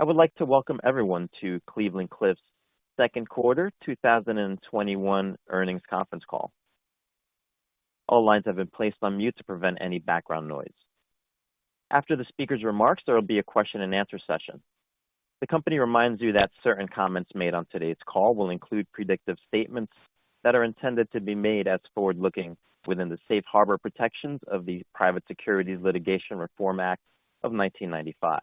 I would like to welcome everyone to Cleveland-Cliffs' Second Quarter 2021 Earnings Conference Call. All lines have been placed on mute to prevent any background noise. After the speaker's remarks, there will be a question-and-answer session. The company reminds you that certain comments made on today's call will include predictive statements that are intended to be made as forward-looking within the safe harbor protections of the Private Securities Litigation Reform Act of 1995.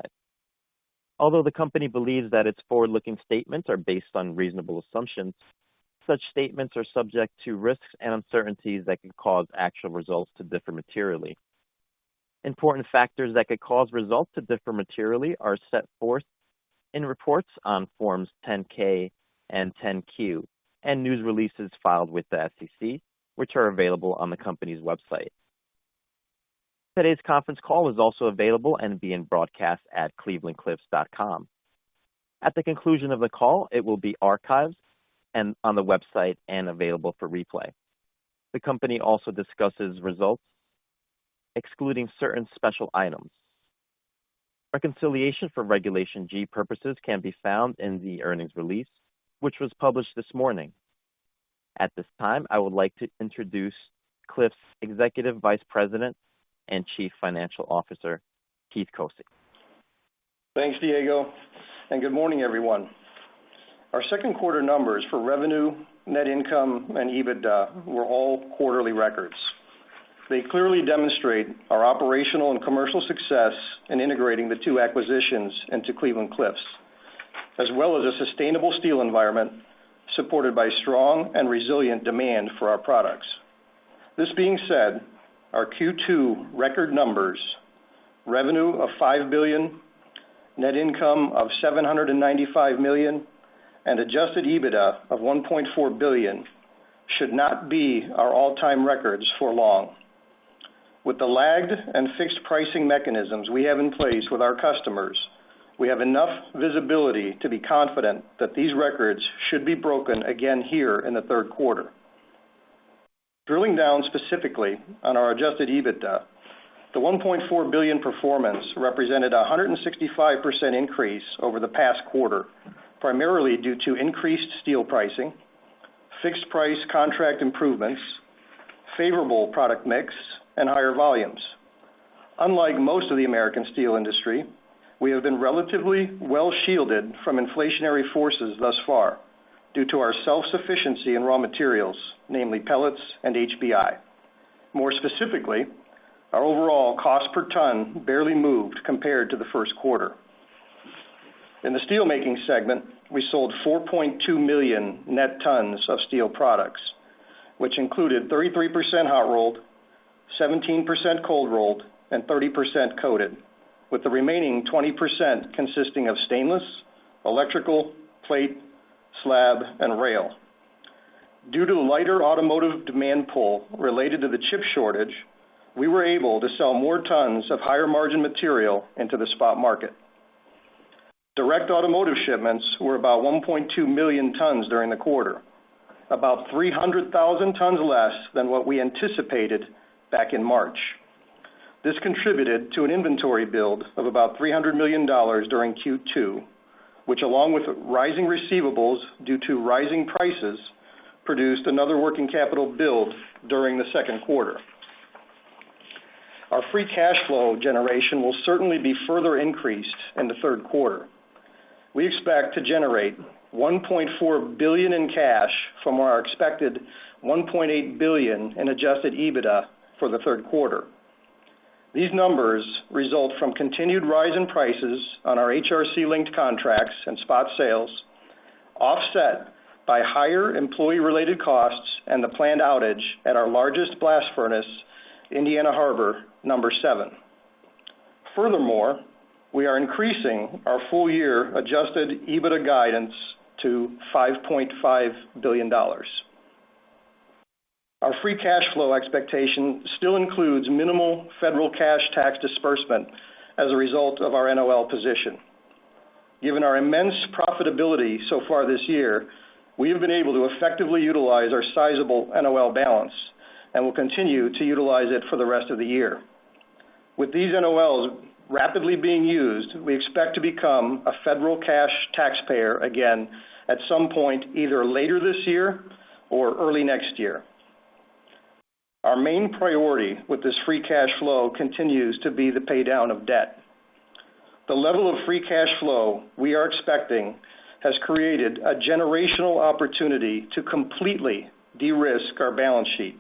Although the company believes that its forward-looking statements are based on reasonable assumptions, such statements are subject to risks and uncertainties that could cause actual results to differ materially. Important factors that could cause results to differ materially are set forth in reports on Forms 10-K and 10-Q, and news releases filed with the SEC, which are available on the company's website. Today's conference call is also available and being broadcast at clevelandcliffs.com. At the conclusion of the call, it will be archived on the website and available for replay. The company also discusses results excluding certain special items. Reconciliation for Regulation G purposes can be found in the earnings release, which was published this morning. At this time, I would like to introduce Cliffs Executive Vice President and Chief Financial Officer, Keith Koci. Thanks, Diego, and good morning, everyone. Our second quarter numbers for revenue, net income, and EBITDA were all quarterly records. They clearly demonstrate our operational and commercial success in integrating the two acquisitions into Cleveland-Cliffs, as well as a sustainable steel environment supported by strong and resilient demand for our products. This being said, our Q2 record numbers, revenue of $5 billion, net income of $795 million, and adjusted EBITDA of $1.4 billion, should not be our all-time records for long. With the lagged and fixed pricing mechanisms we have in place with our customers, we have enough visibility to be confident that these records should be broken again here in the third quarter. Drilling down specifically on our adjusted EBITDA, the $1.4 billion performance represented 165% increase over the past quarter, primarily due to increased steel pricing, fixed price contract improvements, favorable product mix, and higher volumes. Unlike most of the American steel industry, we have been relatively well-shielded from inflationary forces thus far due to our self-sufficiency in raw materials, namely pellets and HBI. More specifically, our overall cost per ton barely moved compared to the first quarter. In the steel making segment, we sold 4.2 million net tons of steel products, which included 33% hot rolled, 17% cold rolled, and 30% coated, with the remaining 20% consisting of stainless, electrical, plate, slab, and rail. Due to lighter automotive demand pull related to the chip shortage, we were able to sell more tons of higher margin material into the spot market. Direct automotive shipments were about 1.2 million tons during the quarter, about 300,000 tons less than what we anticipated back in March. This contributed to an inventory build of about $300 million during Q2, which, along with rising receivables due to rising prices, produced another working capital build during the second quarter. Our free cash flow generation will certainly be further increased in the third quarter. We expect to generate $1.4 billion in cash from our expected $1.8 billion in adjusted EBITDA for the third quarter. These numbers result from continued rise in prices on our HRC-linked contracts and spot sales, offset by higher employee-related costs and the planned outage at our largest blast furnace, Indiana Harbor number 7. Furthermore, we are increasing our full year adjusted EBITDA guidance to $5.5 billion. Our free cash flow expectation still includes minimal federal cash tax disbursement as a result of our NOL position. Given our immense profitability so far this year, we have been able to effectively utilize our sizable NOL balance and will continue to utilize it for the rest of the year. With these NOLs rapidly being used, we expect to become a federal cash taxpayer again at some point, either later this year or early next year. Our main priority with this free cash flow continues to be the paydown of debt. The level of free cash flow we are expecting has created a generational opportunity to completely de-risk our balance sheet,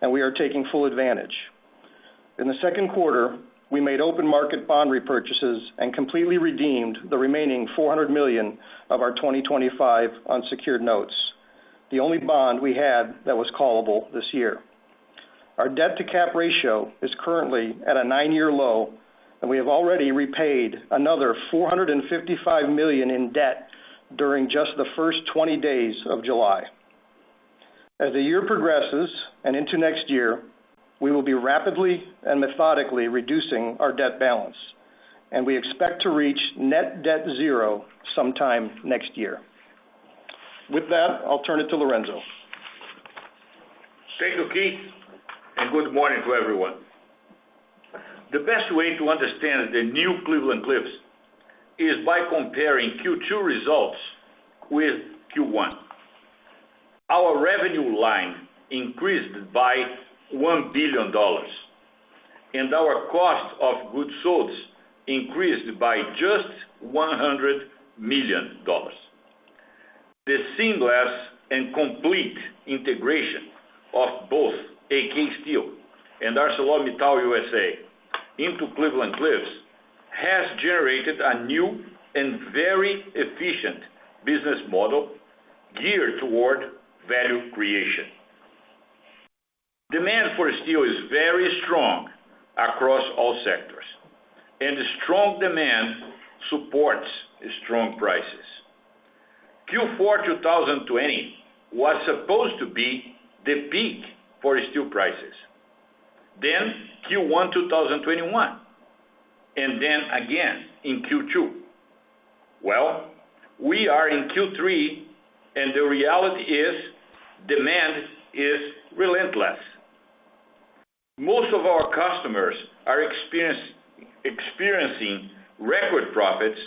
and we are taking full advantage. In the second quarter, we made open market bond repurchases and completely redeemed the remaining $400 million of our 2025 unsecured notes, the only bond we had that was callable this year. Our debt-to-cap ratio is currently at a nine-year low. We have already repaid another $455 million in debt during just the first 20 days of July. As the year progresses and into next year, we will be rapidly and methodically reducing our debt balance. We expect to reach net debt zero sometime next year. With that, I'll turn it to Lourenco. Thank you, Keith Koci, and good morning to everyone. The best way to understand the new Cleveland-Cliffs is by comparing Q2 results with Q1. Our revenue line increased by $1 billion, and our cost of goods sold increased by just $100 million. The seamless and complete integration of both AK Steel and ArcelorMittal USA into Cleveland-Cliffs has generated a new and very efficient business model geared toward value creation. Demand for steel is very strong across all sectors, and strong demand supports strong prices. Q4 2020 was supposed to be the peak for steel prices, then Q1 2021, and then again in Q2. Well, we are in Q3, and the reality is demand is relentless. Most of our customers are experiencing record profits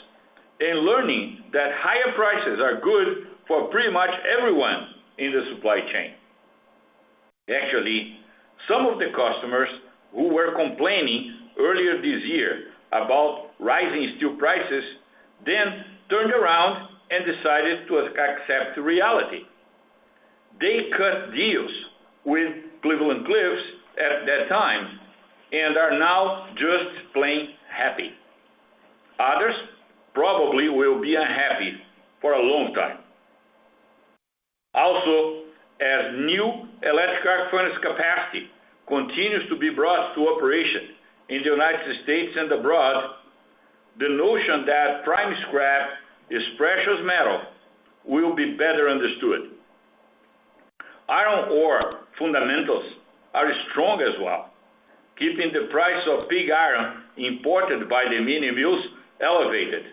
and learning that higher prices are good for pretty much everyone in the supply chain. Actually, some of the customers who were complaining earlier this year about rising steel prices then turned around and decided to accept reality. They cut deals with Cleveland-Cliffs at that time and are now just plain happy. Others probably will be unhappy for a long time. As new electric arc furnace capacity continues to be brought to operation in the U.S. and abroad, the notion that prime scrap is precious metal will be better understood. Iron ore fundamentals are strong as well, keeping the price of pig iron imported by the minimills elevated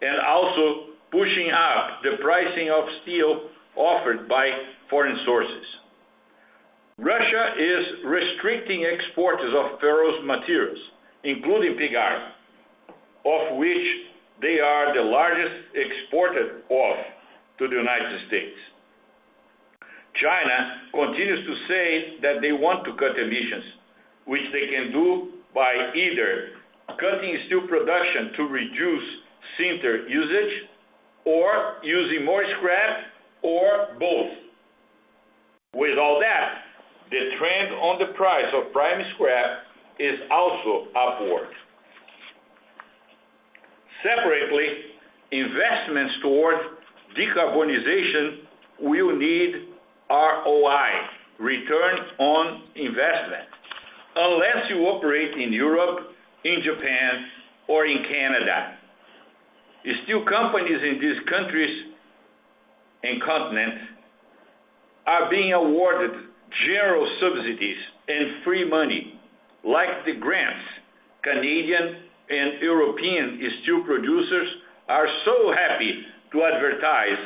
and also pushing up the pricing of steel offered by foreign sources. Russia is restricting exporters of ferrous materials, including pig iron, of which they are the largest exporter of to the U.S. China continues to say that they want to cut emissions, which they can do by either cutting steel production to reduce sinter usage, or using more scrap, or both. With all that, the trend on the price of prime scrap is also upward. Separately, investments towards decarbonization will need ROI, return on investment, unless you operate in Europe, in Japan, or in Canada. The steel companies in these countries and continents are being awarded general subsidies and free money, like the grants Canadian and European steel producers are so happy to advertise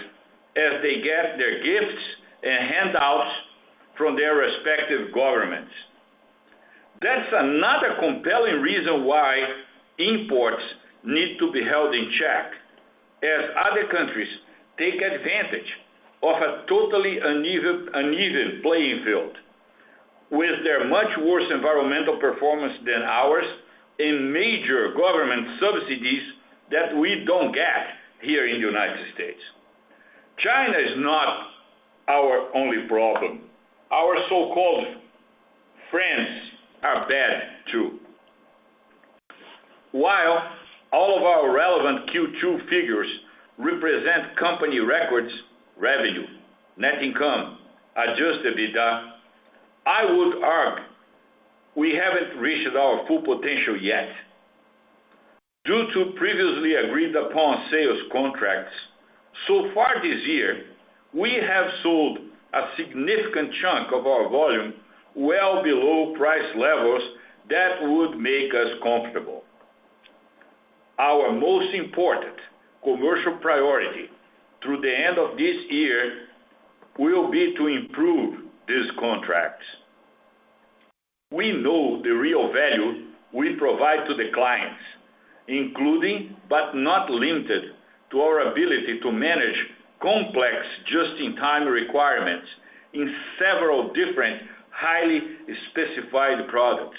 as they get their gifts and handouts from their respective governments. That's another compelling reason why imports need to be held in check as other countries take advantage of a totally uneven playing field, with their much worse environmental performance than ours and major government subsidies that we don't get here in the United States. China is not our only problem. Our so-called friends are bad, too. While all of our relevant Q2 figures represent company records, revenue, net income, adjusted EBITDA, I would argue we haven't reached our full potential yet. Due to previously agreed-upon sales contracts, so far this year, we have sold a significant chunk of our volume well below price levels that would make us comfortable. Our most important commercial priority through the end of this year will be to improve these contracts. We know the real value we provide to the clients, including, but not limited to our ability to manage complex just-in-time requirements in several different highly specified products.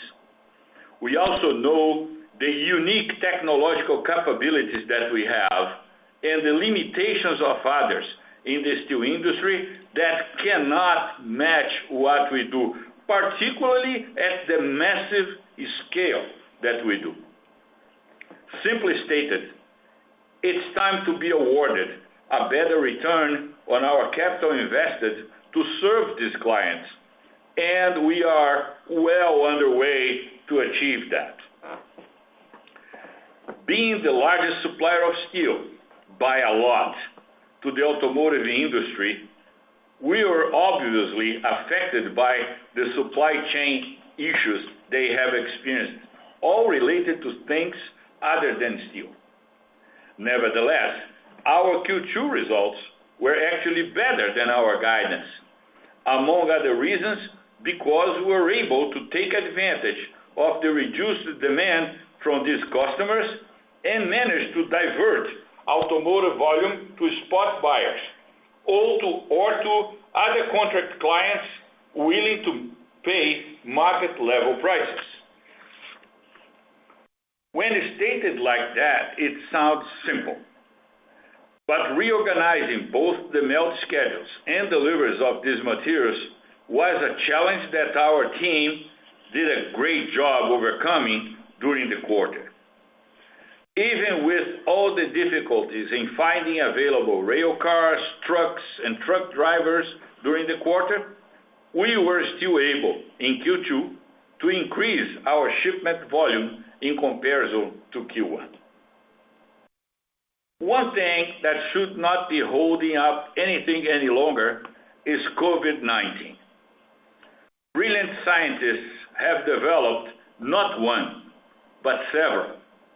We also know the unique technological capabilities that we have and the limitations of others in the steel industry that cannot match what we do, particularly at the massive scale that we do. Simply stated, it's time to be awarded a better return on our capital invested to serve these clients, and we are well underway to achieve that. Being the largest supplier of steel, by a lot, to the automotive industry, we are obviously affected by the supply chain issues they have experienced, all related to things other than steel. Nevertheless, our Q2 results were actually better than our guidance. Among other reasons, because we were able to take advantage of the reduced demand from these customers and managed to divert automotive volume to spot buyers, or to other contract clients willing to pay market-level prices. When stated like that, it sounds simple, but reorganizing both the melt schedules and deliveries of these materials was a challenge that our team did a great job overcoming during the quarter. Even with all the difficulties in finding available rail cars, trucks, and truck drivers during the quarter, we were still able, in Q2, to increase our shipment volume in comparison to Q1. 1 thing that should not be holding up anything any longer is COVID-19. Brilliant scientists have developed not one, but several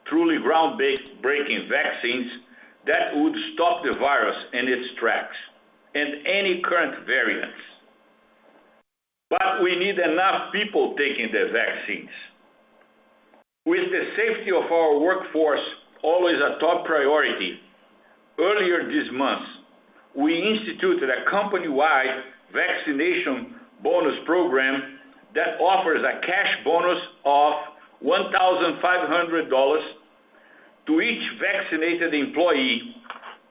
truly groundbreaking vaccines that would stop the virus in its tracks, and any current variants. We need enough people taking the vaccines. With the safety of our workforce always a top priority, earlier this month, we instituted a Company-Wide Vaccination Bonus Program that offers a cash bonus of $1,500 to each vaccinated employee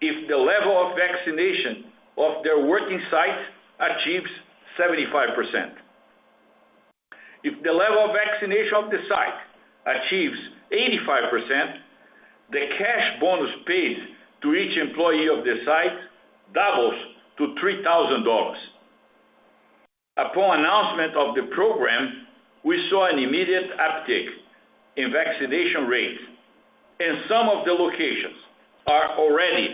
if the level of vaccination of their working site achieves 75%. If the level of vaccination of the site achieves 85%, the cash bonus paid to each employee of the site doubles to $3,000. Upon announcement of the program, we saw an immediate uptick in vaccination rates, and some of the locations are already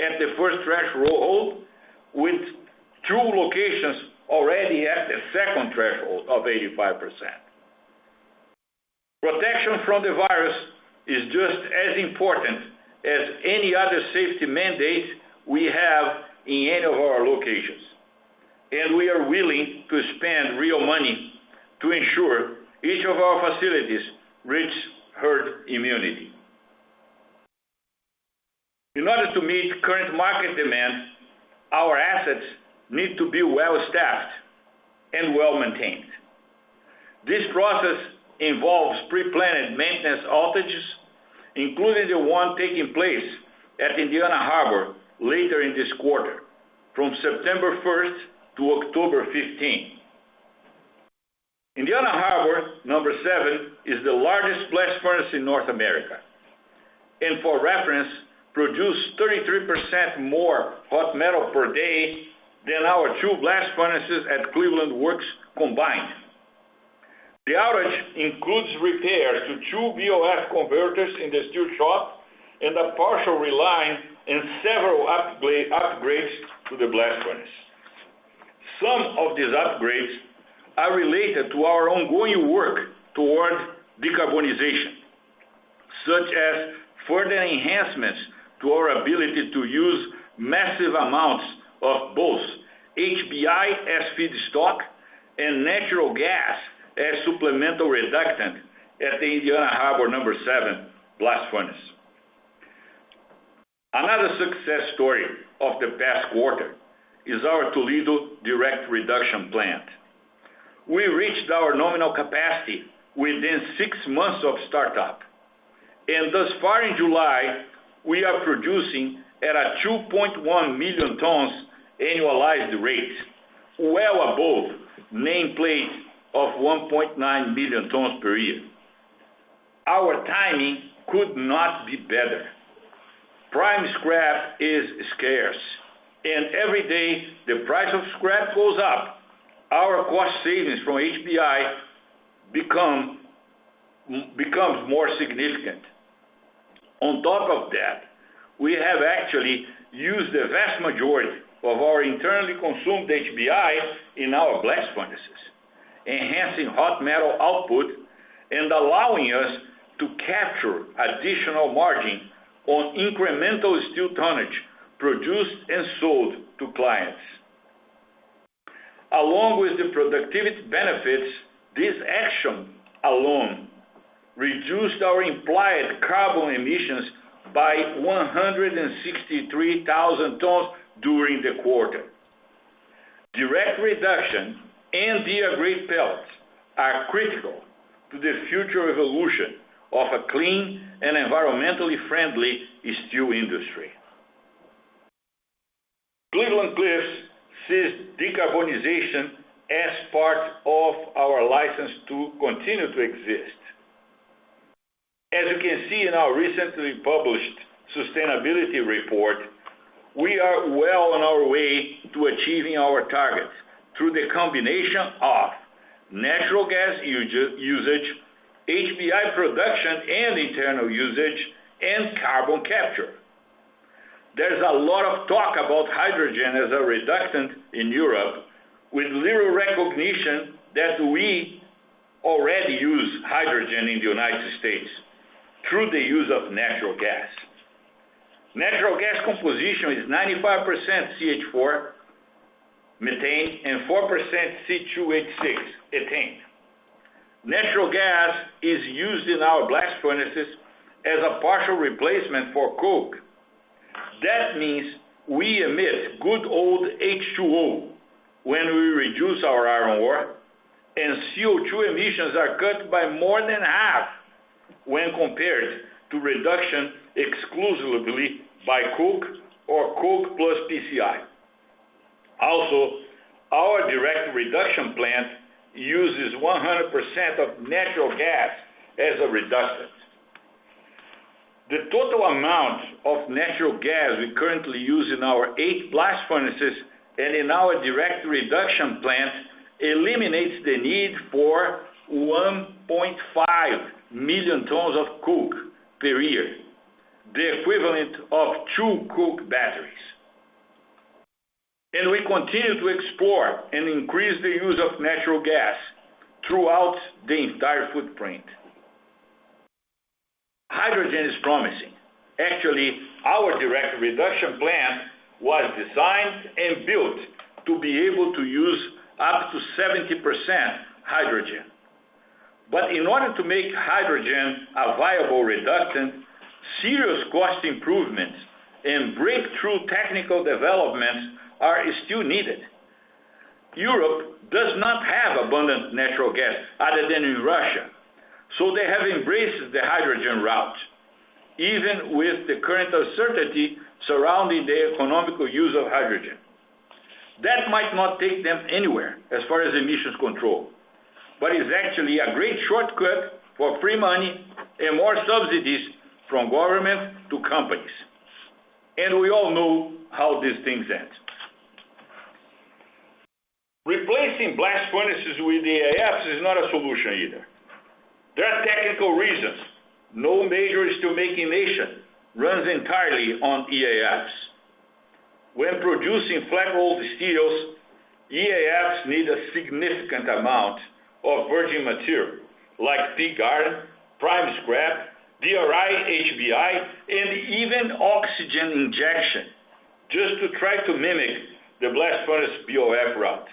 at the first threshold, with two locations already at the second threshold of 85%. Protection from the virus is just as important as any other safety mandate we have in any of our locations, and we are willing to spend real money to ensure each of our facilities reach herd immunity. In order to meet current market demands, our assets need to be well-staffed and well-maintained. This process involves pre-planned maintenance outages, including the one taking place at Indiana Harbor later in this quarter, from September 1st to October 15th. Indiana Harbor number 7 is the largest blast furnace in North America, and for reference, produced 33% more hot metal per day than our two blast furnaces at Cleveland Works combined. The outage includes repairs to two BOF converters in the steel shop, and a partial reline and several upgrades to the blast furnace. Some of these upgrades are related to our ongoing work toward decarbonization, such as further enhancements to our ability to use massive amounts of both HBI as feedstock and natural gas as supplemental reductant at the Indiana Harbor number seven blast furnace. Another success story of the past quarter is our Toledo direct reduction plant. We reached our nominal capacity within 6 months of startup, and thus far in July, we are producing at a 2.1 million tons annualized rate, well above nameplate of 1.9 million tons per year. Our timing could not be better. prime scrap is scarce, and every day, the price of scrap goes up. Our cost savings from HBI becomes more significant. On top of that, we have actually used the vast majority of our internally consumed HBI in our blast furnaces, enhancing hot metal output and allowing us to capture additional margin on incremental steel tonnage produced and sold to clients. Along with the productivity benefits, this action alone reduced our implied carbon emissions by 163,000 tons during the quarter. Direct reduction and the DR-grade pellets are critical to the future evolution of a clean and environmentally friendly steel industry. Cleveland-Cliffs sees decarbonization as part of our license to continue to exist. As you can see in our recently published sustainability report, we are well on our way to achieving our targets through the combination of natural gas usage, HBI production and internal usage, and carbon capture. There's a lot of talk about hydrogen as a reductant in Europe, with little recognition that we already use hydrogen in the U.S. through the use of natural gas. Natural gas composition is 95% CH4, methane, and 4% C2H6, ethane. Natural gas is used in our blast furnaces as a partial replacement for coke. That means we emit good old H2O when we reduce our iron ore, and CO2 emissions are cut by more than half when compared to reduction exclusively by coke or coke plus PCI. Our direct reduction plant uses 100% of natural gas as a reductant. The total amount of natural gas we currently use in our 8 blast furnaces and in our direct reduction plant eliminates the need for 1.5 million tons of coke per year, the equivalent of two coke batteries. We continue to explore and increase the use of natural gas throughout the entire footprint. Hydrogen is promising. Actually, our direct reduction plant was designed and built to be able to use up to 70% hydrogen. In order to make hydrogen a viable reductant, serious cost improvements and breakthrough technical developments are still needed. Europe does not have abundant natural gas other than in Russia, so they have embraced the hydrogen route, even with the current uncertainty surrounding the economical use of hydrogen. That might not take them anywhere as far as emissions control, but is actually a great shortcut for free money and more subsidies from government to companies. We all know how these things end. Replacing blast furnaces with EAFs is not a solution either. There are technical reasons no major steel-making nation runs entirely on EAFs. When producing flat-rolled steels, EAFs need a significant amount of virgin material like pig iron, prime scrap, DRI, HBI, and even oxygen injection, just to try to mimic the blast furnace BOF route.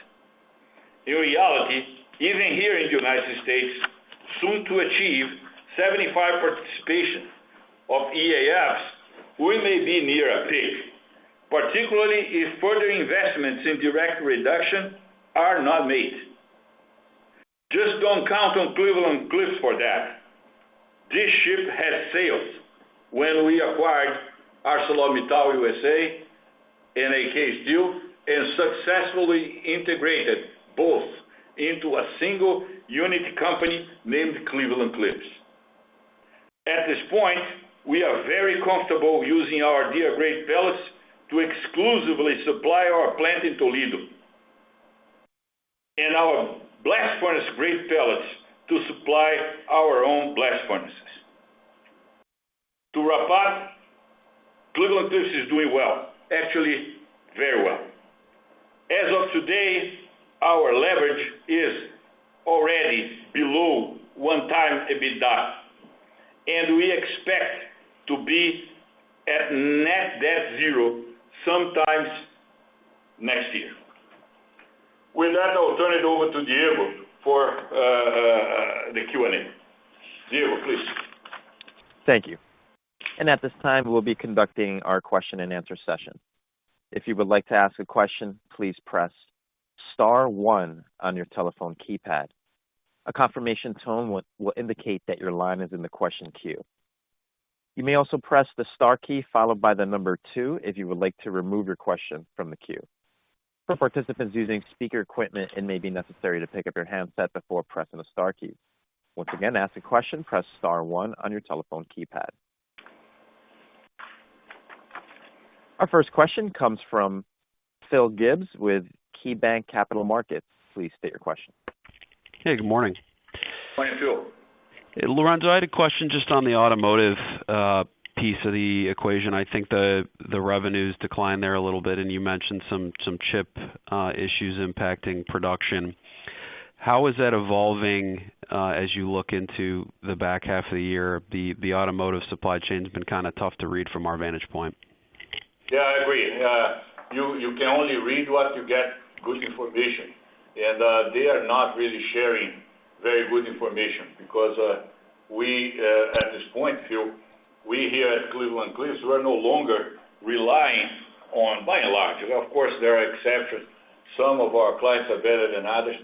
In reality, even here in the United States, soon to achieve 75% participation of EAFs, we may be near a peak, particularly if further investments in direct reduction are not made. Just don't count on Cleveland-Cliffs for that. This ship has sailed when we acquired ArcelorMittal USA and AK Steel, and successfully integrated both into a single unit company named Cleveland-Cliffs. At this point, we are very comfortable using our DR grade pellets to exclusively supply our plant in Toledo. Our blast furnace grade pellets to supply our own blast furnaces. To wrap up, Cleveland-Cliffs is doing well, actually very well. As of today, our leverage is already below 1x EBITDA, and we expect to be at net debt zero sometime next year. With that, I'll turn it over to Diego for the Q&A. Diego, please. Thank you. At this time, we'll be conducting our question and answer session. If you would like to ask a question, please press *1 on your telephone keypad. A confirmation tone will indicate that your line is in the question queue. You may also press the star key followed by 2 if you would like to remove your question from the queue. For participants using speaker equipment, it may be necessary to pick up your handset before pressing the star key. Once again, to ask a question, press *1 on your telephone keypad. Our first question comes from Phil Gibbs with KeyBanc Capital Markets. Please state your question. Hey, good morning. Morning, Phil. Lourenco, I had a question just on the automotive piece of the equation. I think the revenues declined there a little bit, and you mentioned some chip issues impacting production. How is that evolving as you look into the back half of the year? The automotive supply chain's been kind of tough to read from our vantage point. I agree. You can only read what you get good information. They are not really sharing very good information because we, at this point, Phil, we here at Cleveland-Cliffs, we're no longer relying on, by and large, of course, there are exceptions, some of our clients are better than others,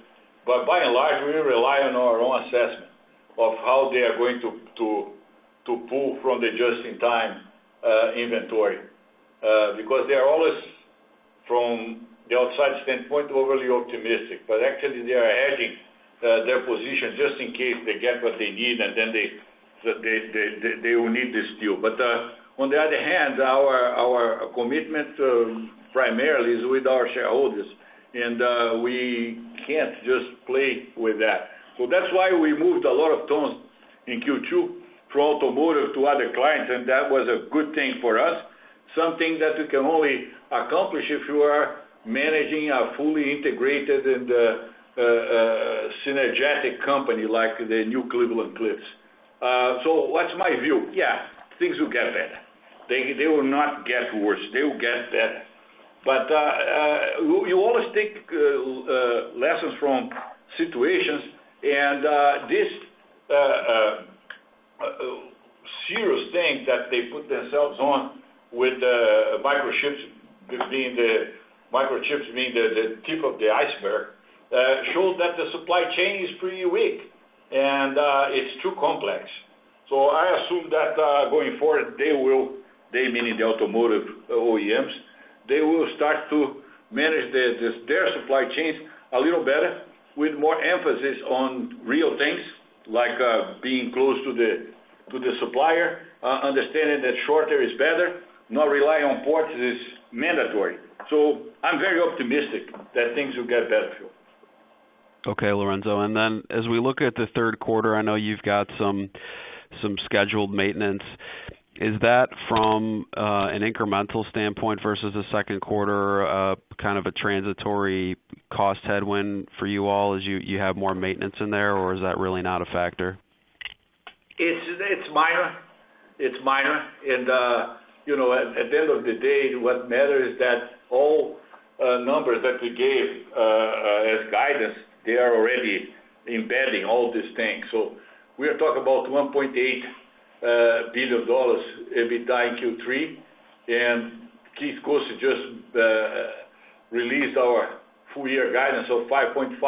but by and large, we rely on our own assessment of how they are going to pull from the just-in-time inventory. They are always, from the outside standpoint, overly optimistic, but actually they are hedging their position just in case they get what they need, and then they will need the steel. On the other hand, our commitment primarily is with our shareholders, and we can't just play with that. That's why we moved a lot of tons in Q2, for automotive to other clients, and that was a good thing for us. Something that you can only accomplish if you are managing a fully integrated and synergetic company like the new Cleveland-Cliffs. What's my view? Yeah, things will get better. They will not get worse. They will get better. You always take lessons from situations, and this serious thing that they put themselves on with microchips being the tip of the iceberg, shows that the supply chain is pretty weak, and it's too complex. I assume that going forward, they will, they meaning the automotive OEMs, they will start to manage their supply chains a little better with more emphasis on real things like being close to the supplier, understanding that shorter is better, not relying on ports is mandatory. I'm very optimistic that things will get better, Phil. Okay, Lourenco. As we look at the third quarter, I know you've got some scheduled maintenance. Is that from an incremental standpoint versus the second quarter, kind of a transitory cost headwind for you all as you have more maintenance in there, or is that really not a factor? It's minor. At the end of the day, what matters is that all numbers that we gave as guidance, they are already embedding all these things. We are talking about $1.8 billion EBITDA in Q3, and Keith Koci just released our full year guidance of $5.5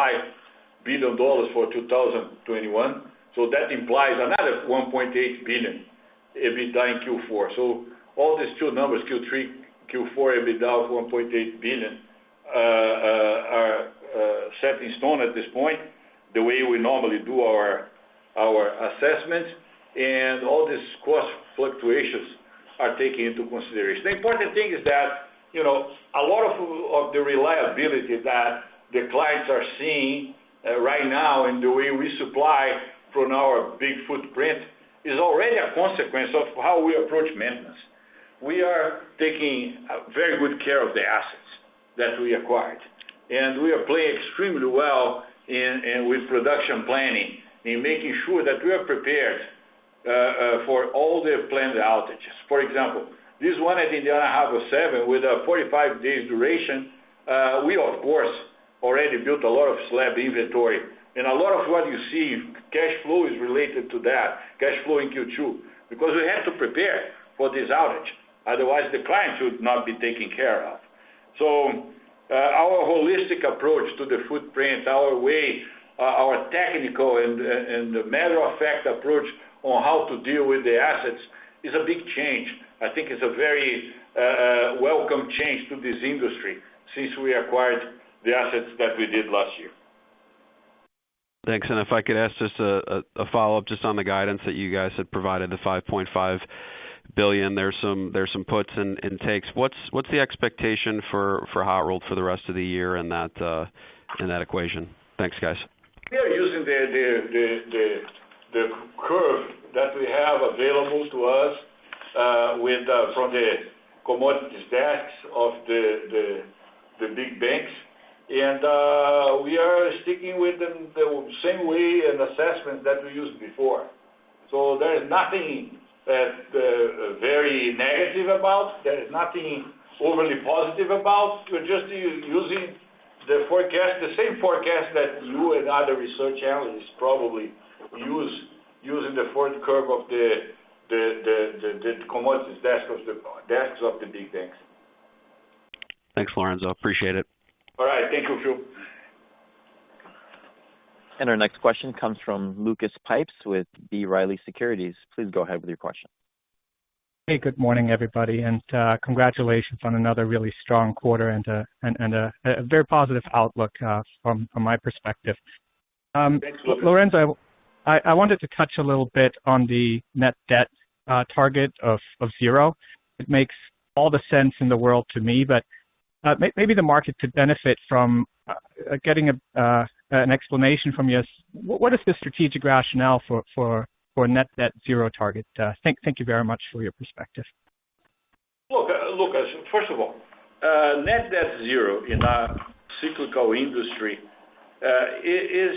billion for 2021. That implies another $1.8 billion EBITDA in Q4. All these two numbers, Q3, Q4, EBITDA of $1.8 billion, are set in stone at this point, the way we normally do our assessments, and all these cost fluctuations are taken into consideration. The important thing is that a lot of the reliability that the clients are seeing right now in the way we supply from our big footprint is already a consequence of how we approach maintenance. We are taking very good care of the assets that we acquired, and we are playing extremely well with production planning in making sure that we are prepared for all the planned outages. For example, this one at Indiana Harbor Seven with a 45 days duration, we of course, already built a lot of slab inventory, and a lot of what you see in cash flow is related to that, cash flow in Q2, because we have to prepare for this outage, otherwise the clients would not be taken care of. Our holistic approach to the footprint, our way, our technical and the matter of fact approach on how to deal with the assets is a big change. I think it's a very welcome change to this industry since we acquired the assets that we did last year. Thanks. If I could ask just a follow-up just on the guidance that you guys had provided, the $5.5 billion. There's some puts and takes. What's the expectation for hot rolled for the rest of the year in that equation? Thanks, guys. Using the curve that we have available to us from the commodities desks of the big banks, we are sticking with the same way and assessment that we used before. There is nothing that very negative about, there is nothing overly positive about. We're just using the same forecast that you and other research analysts probably use, using the forward curve of the commodities desks of the big banks. Thanks, Lourenco. Appreciate it. All right. Thank you, Phil. Our next question comes from Lucas Pipes with B. Riley Securities. Please go ahead with your question. Hey, good morning, everybody. Congratulations on another really strong quarter and a very positive outlook from my perspective. Thanks, Lucas. Lourenco, I wanted to touch a little bit on the net debt target of 0. It makes all the sense in the world to me, but maybe the market could benefit from getting an explanation from you. What is the strategic rationale for net debt 0 target? Thank you very much for your perspective. Look, Lucas, first of all, net debt zero in a cyclical industry is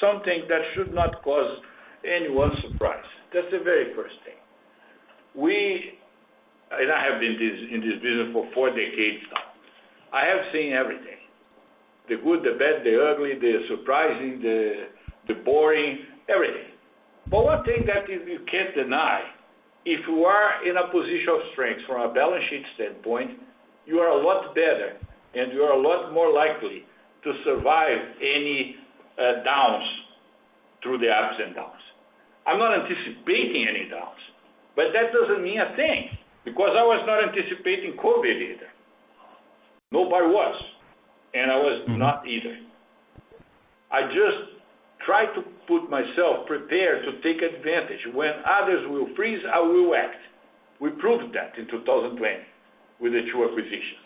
something that should not cause anyone surprise. That's the very first thing. I have been in this business for four decades now. I have seen everything, the good, the bad, the ugly, the surprising, the boring, everything. One thing that you can't deny, if you are in a position of strength from a balance sheet standpoint, you are a lot better, and you are a lot more likely to survive any downs through the ups and downs. I'm not anticipating any downs, but that doesn't mean a thing because I was not anticipating COVID either. Nobody was, and I was not either. I just try to put myself prepared to take advantage. When others will freeze, I will act. We proved that in 2020 with the two acquisitions.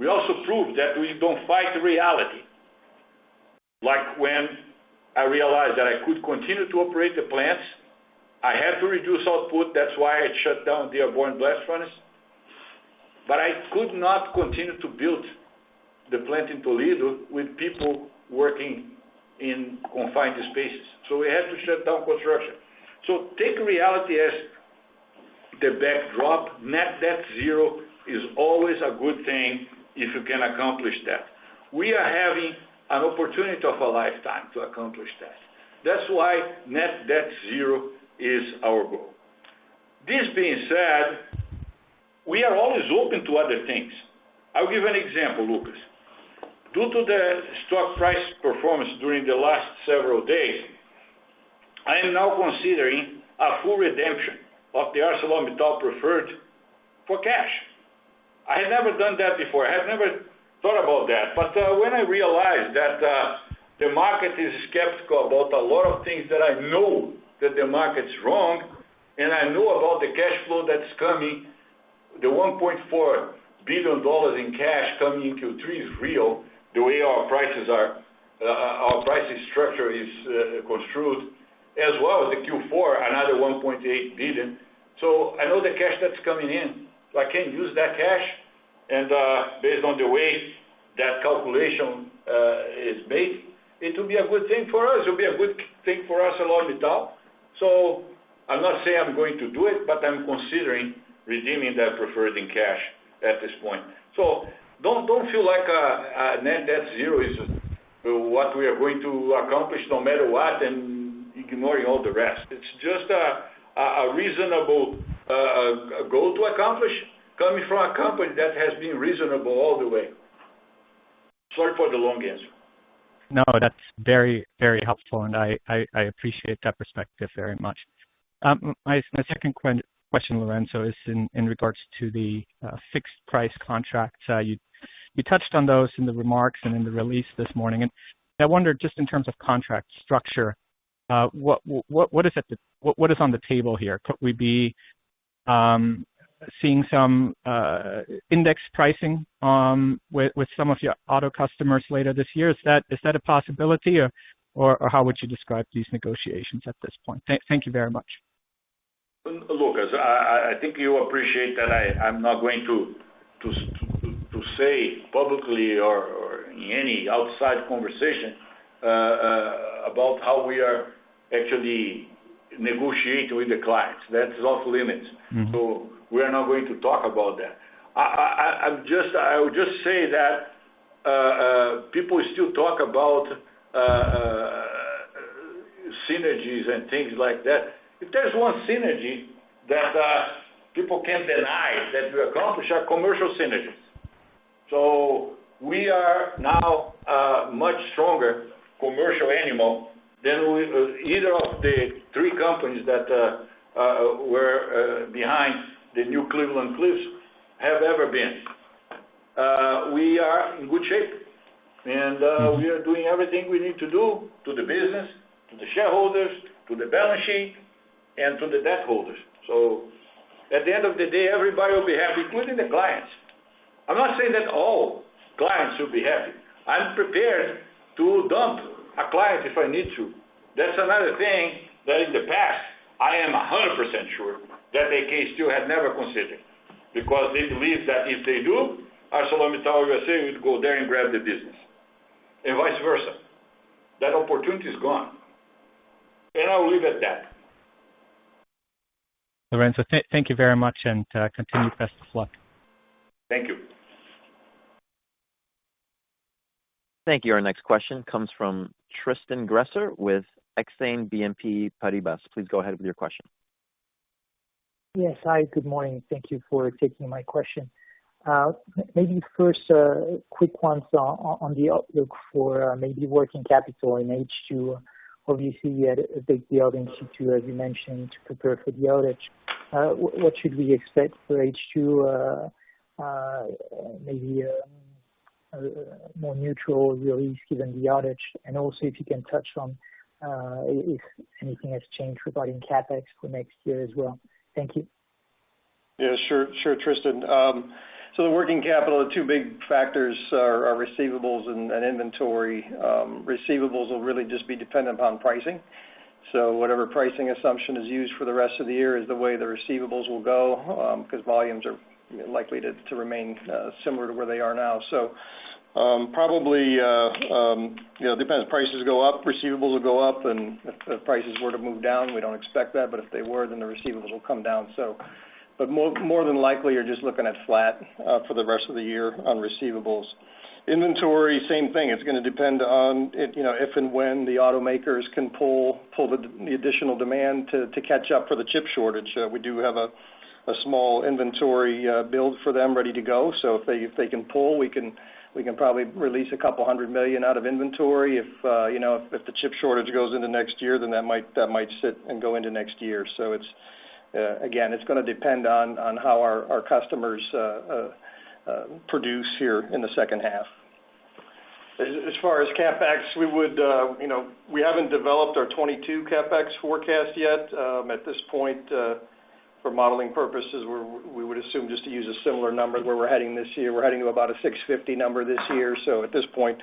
We also proved that we don't fight reality. When I realized that I could continue to operate the plants, I had to reduce output, that's why I shut down the Dearborn blast furnace. I could not continue to build the plant in Toledo with people working in confined spaces, so we had to shut down construction. Take reality as the backdrop. Net debt zero is always a good thing if you can accomplish that. We are having an opportunity of a lifetime to accomplish that. That's why net debt zero is our goal. This being said, we are always open to other things. I'll give an example, Lucas. Due to the stock price performance during the last several days, I am now considering a full redemption of the ArcelorMittal preferred for cash. I had never done that before. I had never thought about that. When I realized that the market is skeptical about a lot of things that I know that the market's wrong, and I know about the cash flow that's coming, the $1.4 billion in cash coming in Q3 is real, the way our prices structure is construed, as well as the Q4, another $1.8 billion. I know the cash that's coming in, I can use that cash, based on the way that calculation is made, it will be a good thing for us. It'll be a good thing for us, ArcelorMittal. I'm not saying I'm going to do it, but I'm considering redeeming that preferred in cash at this point. Don't feel like net debt zero is what we are going to accomplish no matter what, and ignoring all the rest. It's just a reasonable goal to accomplish coming from a company that has been reasonable all the way. Sorry for the long answer. No, that's very helpful, and I appreciate that perspective very much. My second question, Lourenco, is in regards to the fixed price contracts. You touched on those in the remarks and in the release this morning, and I wonder, just in terms of contract structure, what is on the table here? Could we be seeing some index pricing with some of your auto customers later this year? Is that a possibility, or how would you describe these negotiations at this point? Thank you very much. Lucas, I think you appreciate that I'm not going to say publicly or in any outside conversation about how we are actually negotiating with the clients. That's off limits. We are not going to talk about that. I would just say that people still talk about synergies and things like that. If there's one synergy that people can't deny that we accomplish are commercial synergies. We are now a much stronger commercial animal than either of the three companies that were behind the new Cleveland-Cliffs have ever been. We are in good shape, and we are doing everything we need to do to the business, to the shareholders, to the balance sheet, and to the debt holders. At the end of the day, everybody will be happy, including the clients. I'm not saying that all clients will be happy. I'm prepared to dump a client if I need to. That's another thing that in the past, I am 100% sure that AK Steel had never considered, because they believe that if they do, ArcelorMittal USA would go there and grab the business, and vice versa. That opportunity is gone, and I will leave it at that. Lourenco, thank you very much, and continued best of luck. Thank you. Thank you. Our next question comes from Tristan Gresser with Exane BNP Paribas. Please go ahead with your question. Yes, hi. Good morning. Thank you for taking my question. Maybe first, a quick one on the outlook for maybe working capital in H2. Obviously, you had a big build in Q2, as you mentioned, to prepare for the outage. What should we expect for H2? Maybe a more neutral release given the outage. Also, if you can touch on if anything has changed regarding CapEx for next year as well. Thank you. Yeah, sure, Tristan. The working capital, the two big factors are receivables and inventory. Receivables will really just be dependent upon pricing. Whatever pricing assumption is used for the rest of the year is the way the receivables will go, because volumes are likely to remain similar to where they are now. Probably, it depends. If prices go up, receivables will go up. If the prices were to move down, we don't expect that, but if they were, then the receivables will come down. More than likely, you're just looking at flat for the rest of the year on receivables. Inventory, same thing. It's going to depend on if and when the automakers can pull the additional demand to catch up for the chip shortage. We do have a small inventory build for them ready to go, so if they can pull, we can probably release $200 million out of inventory. If the chip shortage goes into next year, then that might sit and go into next year. Again, it's going to depend on how our customers produce here in the second half. As far as CapEx, we haven't developed our 2022 CapEx forecast yet. At this point, for modeling purposes, we would assume just to use a similar number where we're heading this year. We're heading to about a $650 million number this year. At this point,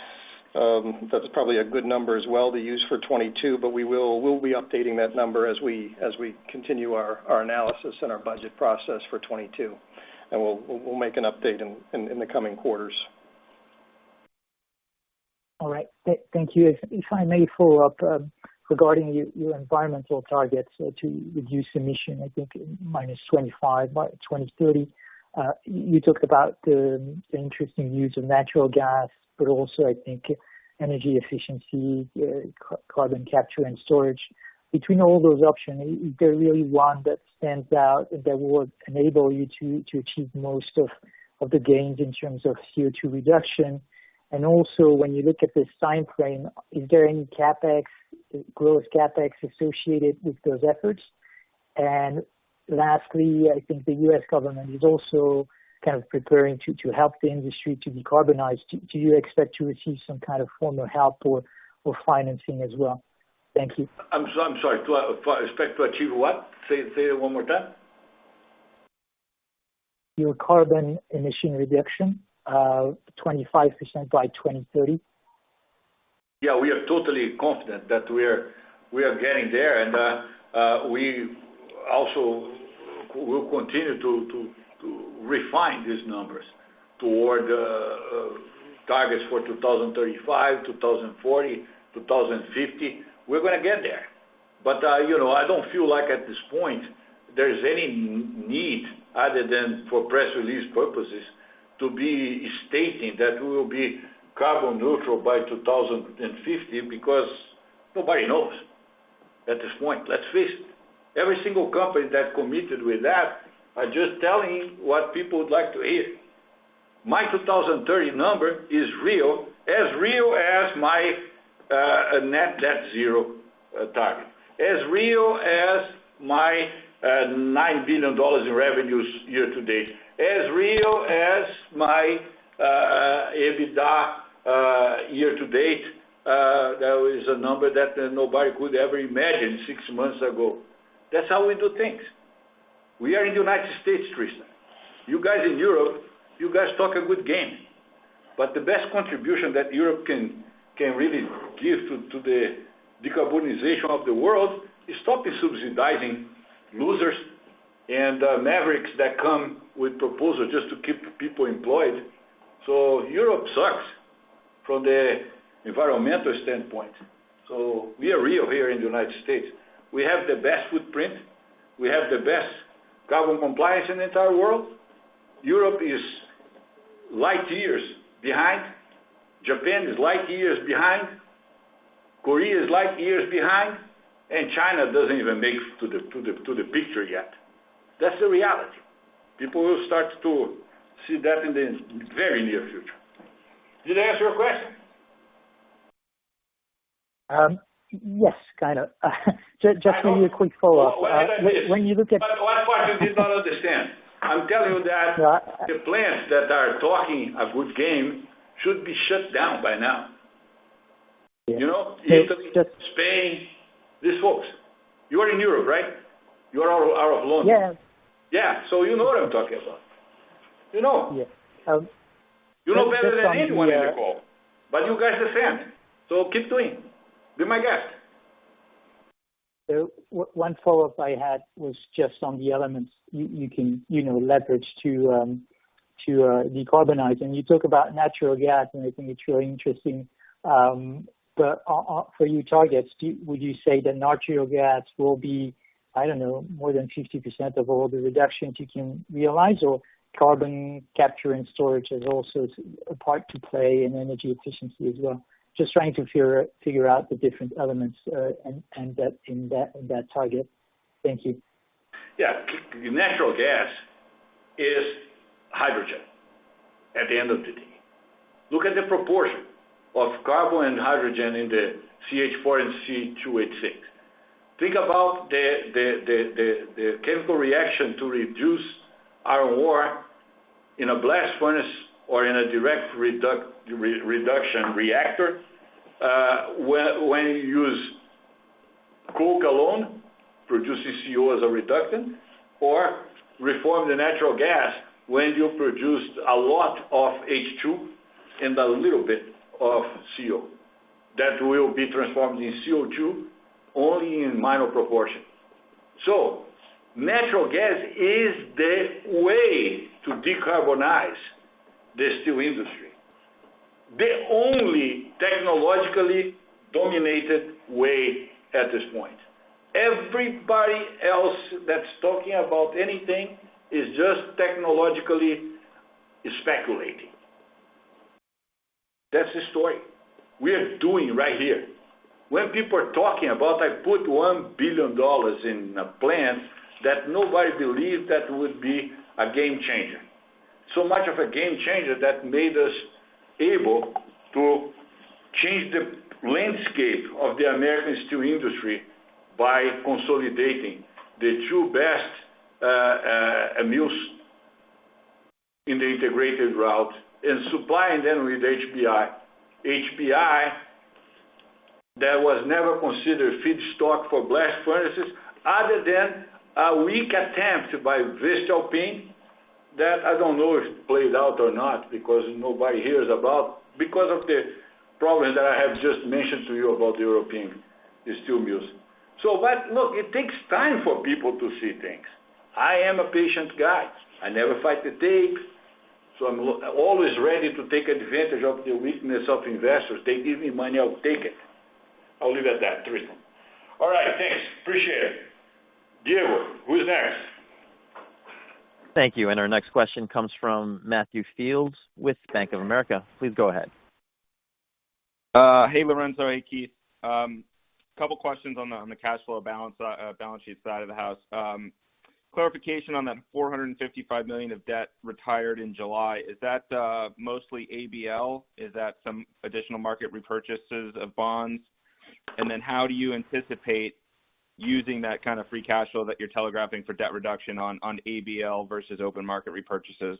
that's probably a good number as well to use for 2022. We'll be updating that number as we continue our analysis and our budget process for 2022. We'll make an update in the coming quarters. All right. Thank you. If I may follow up, regarding your environmental targets to reduce emissions, I think -25% by 2030. You talked about the interesting use of natural gas, but also, I think energy efficiency, carbon capture and storage. Between all those options, is there really one that stands out that would enable you to achieve most of the gains in terms of CO2 reduction? Also, when you look at the time frame, is there any growth CapEx associated with those efforts? Lastly, I think the U.S. government is also kind of preparing to help the industry to be decarbonized. Do you expect to receive some kind of formal help or financing as well? Thank you. I'm sorry, expect to achieve what? Say it one more time. Your carbon emission reduction, 25% by 2030. Yeah, we are totally confident that we are getting there, and we also will continue to refine these numbers toward targets for 2035, 2040, 2050. We're going to get there. I don't feel like at this point there's any need, other than for press release purposes, to be stating that we will be carbon neutral by 2050 because nobody knows at this point. Let's face it. Every single company that committed with that are just telling what people would like to hear. My 2030 number is real, as real as my net zero target, as real as my $9 billion in revenues year to date, as real as my EBITDA year to date. That was a number that nobody could ever imagine 6 months ago. That's how we do things. We are in the United States, Tristan. You guys in Europe, you guys talk a good game, but the best contribution that Europe can really give to the decarbonization of the world is stop subsidizing losers and mavericks that come with proposals just to keep people employed. Europe sucks from the environmental standpoint. We are real here in the U.S. We have the best footprint. We have the best carbon compliance in the entire world. Europe is light years behind. Japan is light years behind. Korea is light years behind, and China doesn't even make it to the picture yet. That's the reality. People will start to see that in the very near future. Did I answer your question? Yes, kind of. Just maybe a quick follow-up. No. When you look at- One part I did not understand. I'm telling you. Right The plants that are talking a good game should be shut down by now. You know? Yes. You're talking about Spain, these folks. You are in Europe, right? You are out of London. Yes. Yeah. You know what I'm talking about. You know. Yes. You know better than anyone in the call. You guys descend, so keep doing. Be my guest. One follow-up I had was just on the elements you can leverage to decarbonize. You talk about natural gas, and I think it is really interesting. For your targets, would you say that natural gas will be, I don't know, more than 50% of all the reductions you can realize, or carbon capture and storage has also a part to play in energy efficiency as well? Just trying to figure out the different elements in that target. Thank you. Yeah. Natural gas is hydrogen at the end of the day. Look at the proportion of carbon and hydrogen in the CH4 and C2H6. Think about the chemical reaction to reduce iron ore in a blast furnace or in a direct reduction reactor. When you use coke alone, produces CO as a reductant, or reform the natural gas when you produce a lot of H2 and a little bit of CO, that will be transformed in CO2 only in minor proportion. Natural gas is the way to decarbonize the steel industry. The only technologically dominated way at this point. Everybody else that's talking about anything is just technologically speculating. That's the story. We're doing right here. When people are talking about I put $1 billion in a plant, that nobody believed that would be a game changer. Much of a game changer that made us able to change the landscape of the American steel industry by consolidating the two best mills in the integrated route and supplying them with HBI. HBI, that was never considered feedstock for blast furnaces other than a weak attempt by that I don't know if it played out or not, because nobody hears about because of the problem that I have just mentioned to you about European steel mills. Look, it takes time for people to see things. I am a patient guy. I never fight the tapes, so I'm always ready to take advantage of the weakness of investors. They give me money, I'll take it. I'll leave it at that. Three of them. All right, thanks. Appreciate it. Diego, who's next? Thank you. Our next question comes from Matthew Fields with Bank of America. Please go ahead. Hey, Lourenco. Hey, Keith. Couple questions on the cash flow balance sheet side of the house. Clarification on that $455 million of debt retired in July, is that mostly ABL? Is that some additional market repurchases of bonds? How do you anticipate using that kind of free cash flow that you're telegraphing for debt reduction on ABL versus open market repurchases?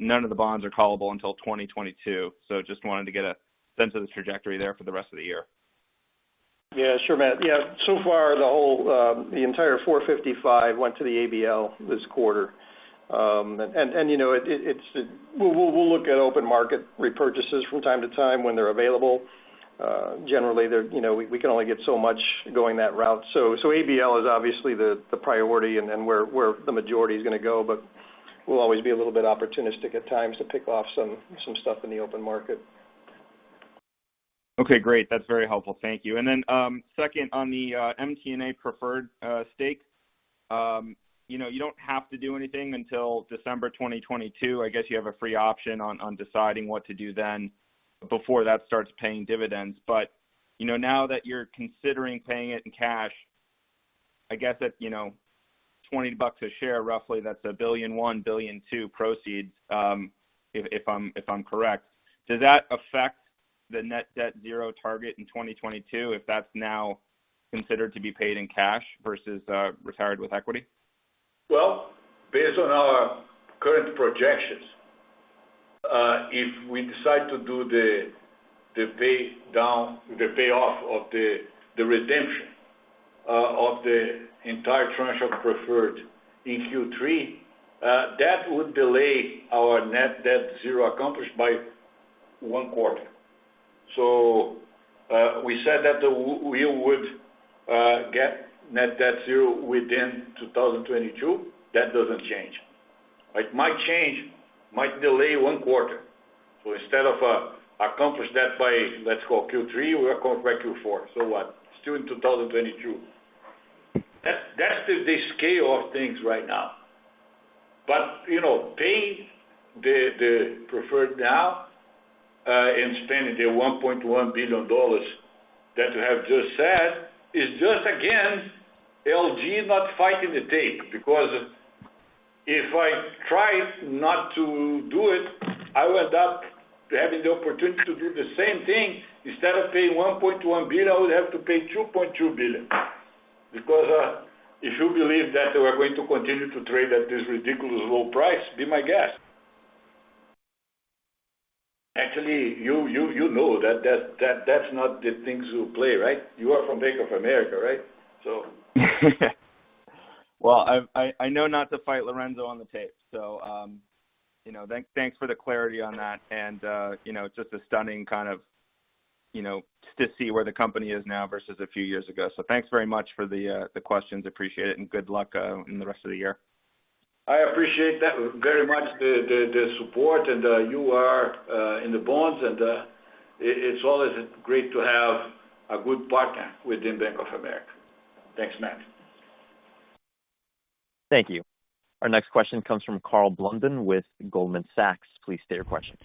None of the bonds are callable until 2022, so just wanted to get a sense of the trajectory there for the rest of the year. Sure, Matt. So far, the entire $455 went to the ABL this quarter. We'll look at open market repurchases from time to time when they're available. Generally, we can only get so much going that route. ABL is obviously the priority and where the majority is gonna go, but we'll always be a little bit opportunistic at times to pick off some stuff in the open market. Okay, great. That's very helpful. Thank you. Second on the ArcelorMittal preferred stake. You don't have to do anything until December 2022. I guess you have a free option on deciding what to do then before that starts paying dividends. Now that you're considering paying it in cash, I guess at $20 a share, roughly, that's $1.1 billion-$1.2 billion proceeds, if I'm correct. Does that affect the net debt zero target in 2022, if that's now considered to be paid in cash versus retired with equity? Well, based on our current projections, if we decide to do the payoff of the redemption of the entire tranche of preferred in Q3, that would delay our net debt zero accomplished by one quarter. We said that we would get net debt zero within 2022. That doesn't change. It might change, might delay one quarter. Instead of accomplish that by, let's call Q3, we accomplish by Q4. What? Still in 2022. That's the scale of things right now. Paying the preferred now, and spending the $1.1 billion that I have just said is just, again, LG not fighting the tape. Because if I try not to do it, I'll end up having the opportunity to do the same thing. Instead of paying $1.1 billion, I would have to pay $2.2 billion. If you believe that we're going to continue to trade at this ridiculous low price, be my guest. Actually, you know that's not the things you play, right? You are from Bank of America, right? So Well, I know not to fight Lourenco on the tape. Thanks for the clarity on that. It's just stunning to see where the company is now versus a few years ago. Thanks very much for the questions. Appreciate it. Good luck in the rest of the year. I appreciate that very much, the support, and you are in the bonds, and it's always great to have a good partner within Bank of America. Thanks, Matt. Thank you. Our next question comes from Karl Blunden with Goldman Sachs. Please state your question.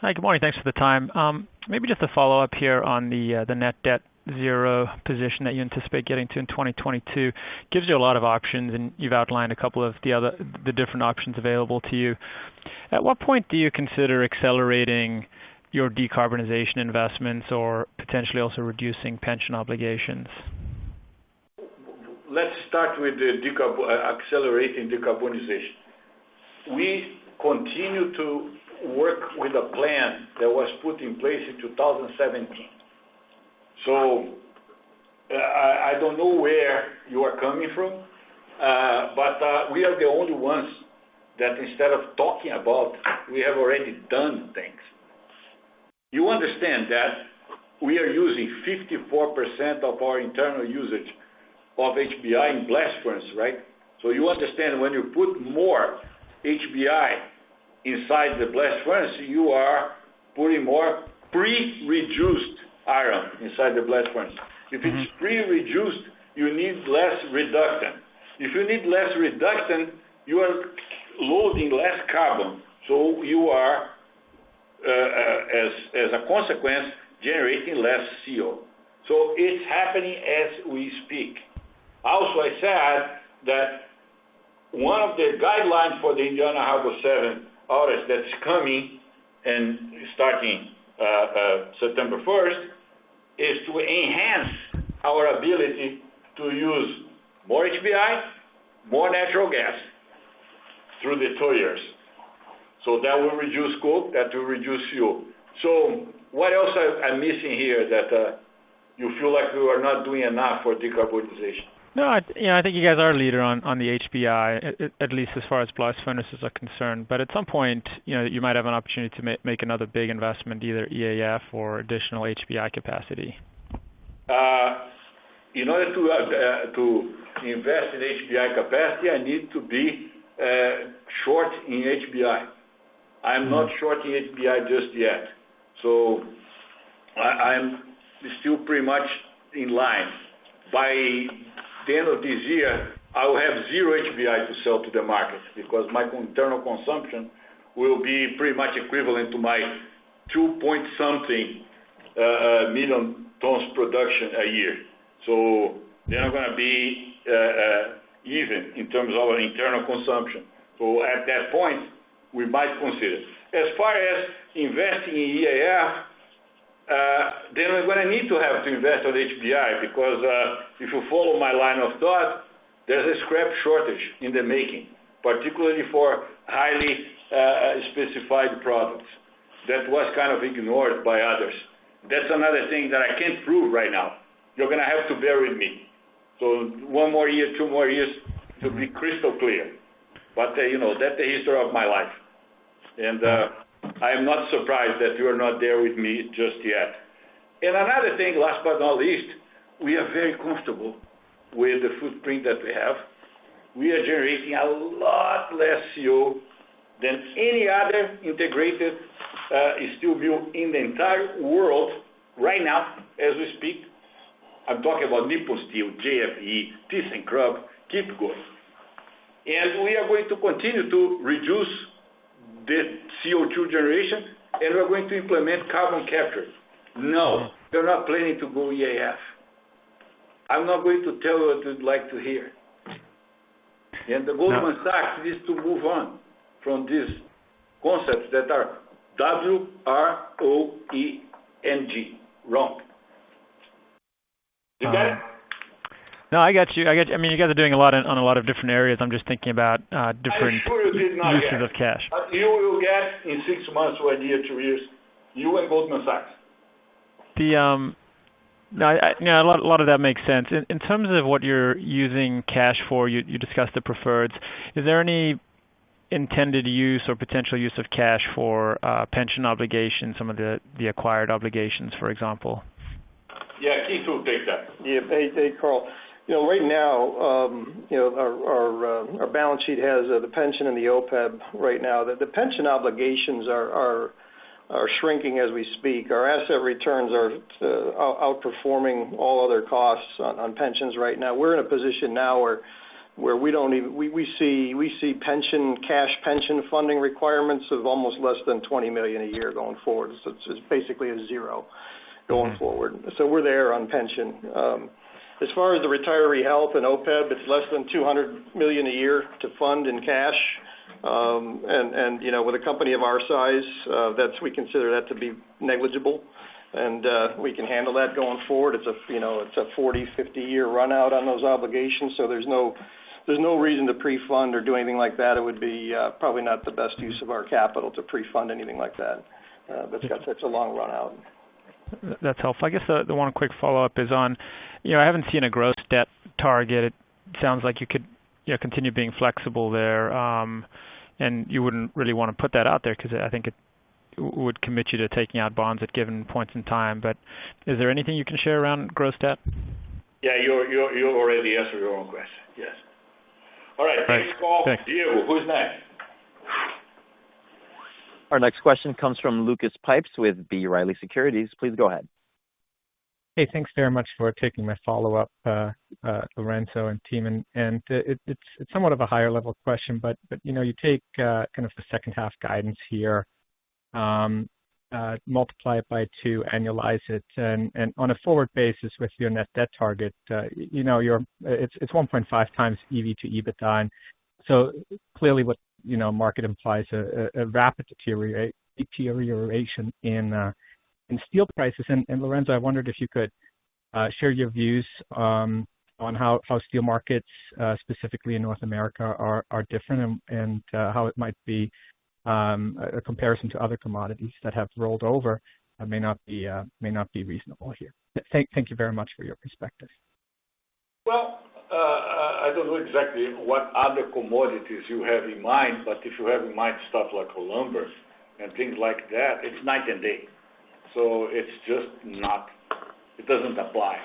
Hi, good morning. Thanks for the time. Maybe just a follow-up here on the net debt zero position that you anticipate getting to in 2022. Gives you a lot of options. You've outlined a couple of the different options available to you. At what point do you consider accelerating your decarbonization investments or potentially also reducing pension obligations? Let's start with the accelerating decarbonization. We continue to work with a plan that was put in place in 2017. I don't know where you are coming from, but we are the only ones that instead of talking about, we have already done things. You understand that we are using 54% of our internal usage of HBI in blast furnace, right? You understand when you put more HBI inside the blast furnace, you are putting more pre-reduced iron inside the blast furnace. If it's pre-reduced, you need less reductant. If you need less reductant, you are loading less carbon, so you are, as a consequence, generating less CO. It's happening as we speak. Also, I said that one of the guidelines for the Indiana Harbor Seventh permit that's coming and starting September 1st, is to use more HBI, more natural gas through the tuyeres. That will reduce coke, that will reduce fuel. What else am I missing here that you feel like we are not doing enough for decarbonization? No, I think you guys are a leader on the HBI, at least as far as blast furnaces are concerned. At some point, you might have an opportunity to make another big investment, either EAF or additional HBI capacity. In order to invest in HBI capacity, I need to be short in HBI. I'm not short in HBI just yet, so I'm still pretty much in line. By the end of this year, I will have 0 HBI to sell to the market because my internal consumption will be pretty much equivalent to my 2.something million tons production a year. They're not going to be even, in terms of our internal consumption. At that point, we might consider. As far as investing in EAF, we're going to need to have to invest on HBI because, if you follow my line of thought, there's a scrap shortage in the making, particularly for highly specified products. That was kind of ignored by others. That's another thing that I can't prove right now. You're going to have to bear with me. One more year, two more years to be crystal clear. That's the history of my life, and I am not surprised that you are not there with me just yet. Another thing, last but not least, we are very comfortable with the footprint that we have. We are generating a lot less CO than any other integrated steel mill in the entire world right now, as we speak. I'm talking about Nippon Steel, JFE, ThyssenKrupp, keep going. We are going to continue to reduce the CO2 generation, and we're going to implement carbon capture. No, we're not planning to go EAF. I'm not going to tell you what you'd like to hear. The Goldman Sachs needs to move on from these concepts that are W-R-O-N-G, wrong. You get it? No, I got you. You guys are doing a lot on a lot of different areas. I'm just thinking about. I'm sure you did not get. Uses of cash. You will get in six months or one year, two years, you and Goldman Sachs. No, a lot of that makes sense. In terms of what you're using cash for, you discussed the preferreds. Is there any intended use or potential use of cash for pension obligations, some of the acquired obligations, for example? Yeah, Keith will take that. Hey, Karl. Right now, our balance sheet has the pension and the OPEB right now. The pension obligations are shrinking as we speak. Our asset returns are outperforming all other costs on pensions right now. We're in a position now where we see cash pension funding requirements of almost less than $20 million a year going forward. It's basically a zero going forward. We're there on pension. As far as the retiree health and OPEB, it's less than $200 million a year to fund in cash. With a company of our size, we consider that to be negligible, and we can handle that going forward. It's a 40, 50-year run-out on those obligations, there's no reason to pre-fund or do anything like that. It would be probably not the best use of our capital to pre-fund anything like that. That's got such a long run-out. That's helpful. I guess the one quick follow-up is on, I haven't seen a gross debt target. It sounds like you could continue being flexible there, and you wouldn't really want to put that out there because I think it would commit you to taking out bonds at given points in time. Is there anything you can share around gross debt? Yeah, you already answered your own question. Yes. All right. Great. Thanks, Karl. See you. Who's next? Our next question comes from Lucas Pipes with B. Riley Securities. Please go ahead. Hey, thanks very much for taking my follow-up, Lourenco and team. It's somewhat of a higher-level question, but you take kind of the second half guidance here, multiply it by two, annualize it, and on a forward basis with your net debt target, it's 1.5x EBITDA, and so clearly what market implies a rapid deterioration in steel prices. Lourenco, I wondered if you could share your views on how steel markets, specifically in North America, are different and how it might be a comparison to other commodities that have rolled over that may not be reasonable here. Thank you very much for your perspective. I don't know exactly what other commodities you have in mind, but if you have in mind stuff like lumber and things like that, it's night and day. It doesn't apply.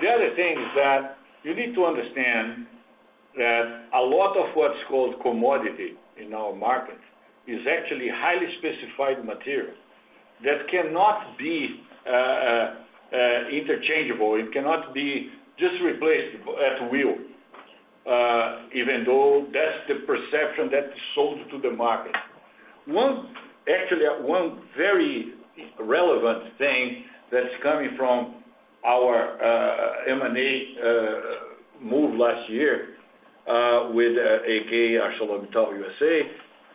The other thing is that you need to understand that a lot of what's called commodity in our market is actually highly specified material that cannot be interchangeable. It cannot be just replaced at will, even though that's the perception that is sold to the market. Actually, one very relevant thing that's coming from our M&A move last year with AK and ArcelorMittal USA,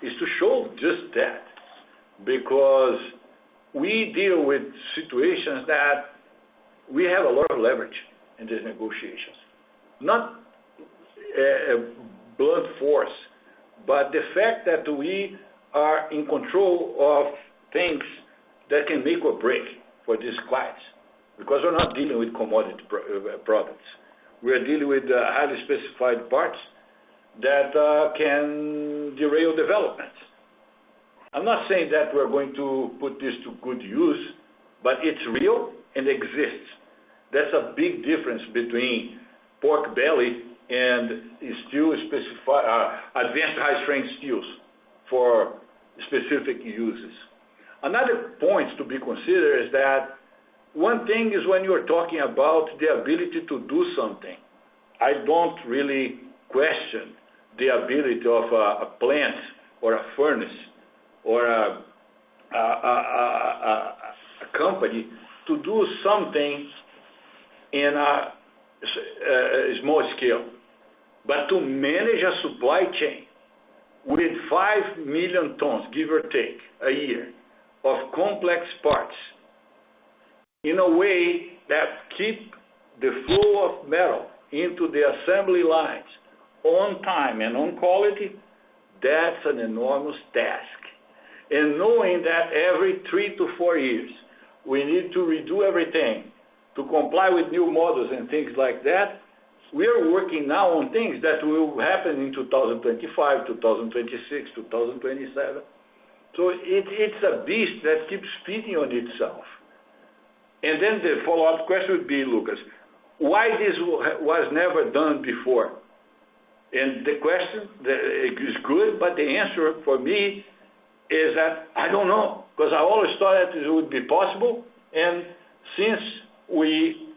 is to show just that. We deal with situations that we have a lot of leverage in these negotiations, not a blunt force, but the fact that we are in control of things that can make or break for these clients. We're not dealing with commodity products. We are dealing with highly specified parts that can derail development. I'm not saying that we're going to put this to good use, but it's real and exists. That's a big difference between pork belly and advanced high-strength steels for specific uses. Another point to be considered is that one thing is when you're talking about the ability to do something, I don't really question the ability of a plant or a furnace or a company to do some things in a small scale. To manage a supply chain with 5 million tons, give or take, a year, of complex parts in a way that keep the flow of metal into the assembly lines on time and on quality, that's an enormous task. Knowing that every 3-4 years, we need to redo everything to comply with new models and things like that. We are working now on things that will happen in 2025, 2026, 2027. It's a beast that keeps feeding on itself. The follow-up question would be, Lucas, why this was never done before? The question is good, the answer for me is that I don't know. I always thought that it would be possible, since we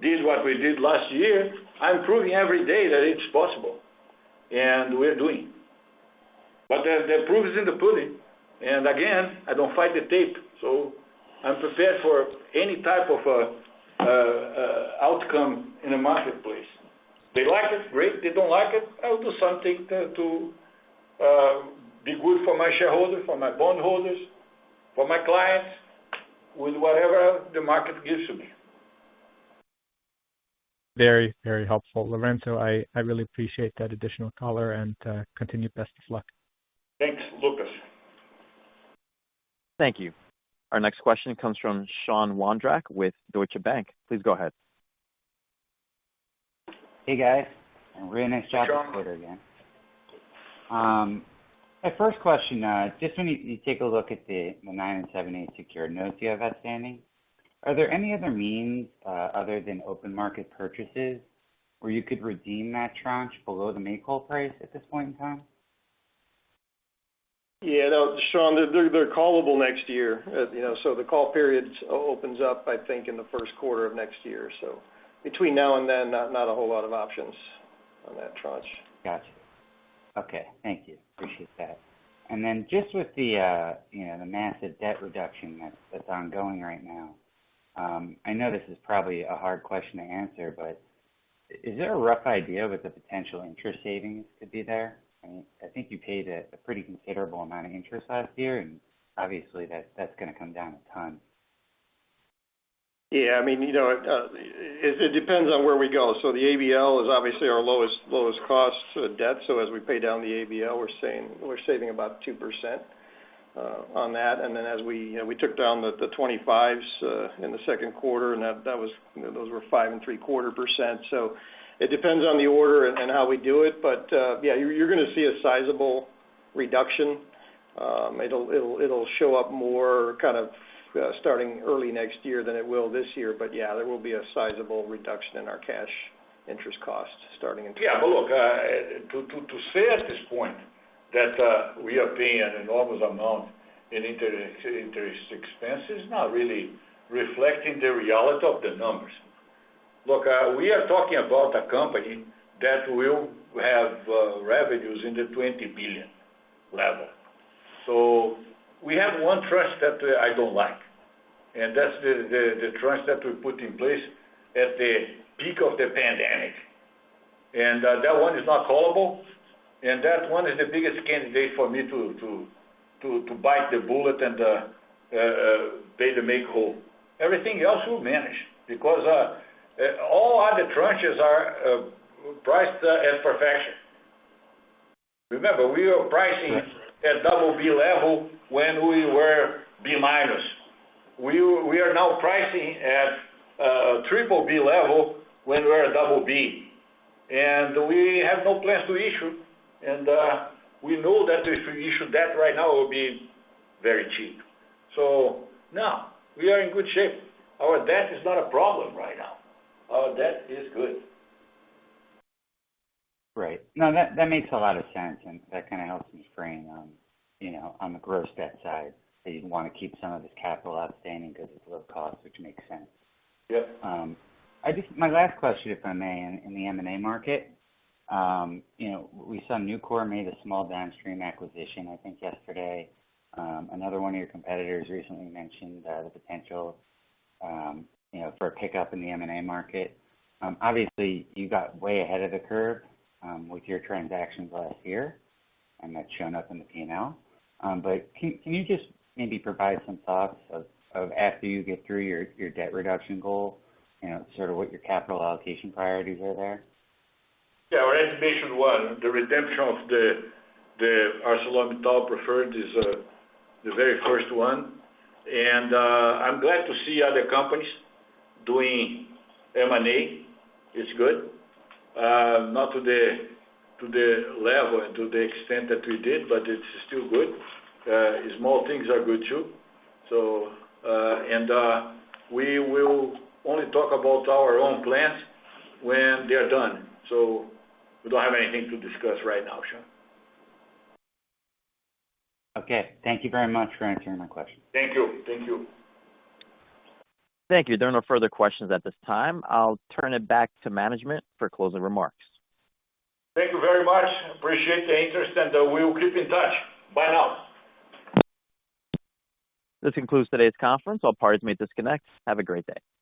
did what we did last year, I'm proving every day that it's possible, and we're doing. The proof is in the pudding, again, I don't fight the tape, I'm prepared for any type of outcome in the marketplace. They like it, great. They don't like it, I'll do something to be good for my shareholders, for my bondholders, for my clients, with whatever the market gives me. Very helpful, Lourenco. I really appreciate that additional color and continued best of luck. Thanks, Lucas. Thank you. Our next question comes from Sean Wondrack with Deutsche Bank. Please go ahead. Hey, guys. Really nice job this quarter again. My first question, just when you take a look at the 9 7, 8% secured notes you have outstanding, are there any other means, other than open market purchases, where you could redeem that tranche below the make-whole price at this point in time? Yeah, no, Sean, they're callable next year. The call period opens up, I think, in the first quarter of next year. Between now and then, not a whole lot of options on that tranche. Got you. Okay. Thank you. Appreciate that. Just with the massive debt reduction that's ongoing right now, I know this is probably a hard question to answer, but is there a rough idea of what the potential interest savings could be there? I think you paid a pretty considerable amount of interest last year, and obviously that's going to come down a ton. Yeah, it depends on where we go. The ABL is obviously our lowest cost debt. As we pay down the ABL, we're saving about 2% on that. As we took down the 25s in the second quarter, those were 5.75%. It depends on the order and how we do it, but yeah, you're going to see a sizable reduction. It'll show up more kind of starting early next year than it will this year. Yeah, there will be a sizable reduction in our cash interest costs starting in 2022. Look, to say at this point that we are paying an enormous amount in interest expense is not really reflecting the reality of the numbers. Look, we are talking about a company that will have revenues in the $20 billion level. We have one tranche that I don't like, and that's the tranche that we put in place at the peak of the pandemic. That one is not callable, and that one is the biggest candidate for me to bite the bullet and pay the make whole. Everything else, we'll manage. Because all other tranches are priced at perfection. Remember, we are pricing at BB level when we were B minus. We are now pricing at BBB level when we're a BB, and we have no plans to issue, and we know that to issue debt right now will be very cheap. No, we are in good shape. Our debt is not a problem right now. Our debt is good. Right. No, that makes a lot of sense. That kind of helps me frame on the gross debt side, that you'd want to keep some of the capital outstanding because it's low cost, which makes sense. Yep. My last question, if I may, in the M&A market. We saw Nucor made a small downstream acquisition, I think yesterday. Another one of your competitors recently mentioned the potential for a pickup in the M&A market. Obviously, you got way ahead of the curve with your transactions last year, and that's shown up in the P&L. Can you just maybe provide some thoughts of after you get through your debt reduction goal, sort of what your capital allocation priorities are there? Yeah. Our estimation was the redemption of the ArcelorMittal preferred is the very first one. I'm glad to see other companies doing M&A, it's good. Not to the level and to the extent that we did, but it's still good. Small things are good too. We will only talk about our own plans when they are done. We don't have anything to discuss right now, Sean. Okay. Thank you very much for answering my question. Thank you. Thank you. There are no further questions at this time. I'll turn it back to management for closing remarks. Thank you very much. Appreciate the interest, and we will keep in touch. Bye now. This concludes today's conference. All parties may disconnect. Have a great day.